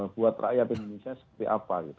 buat rakyat indonesia seperti apa gitu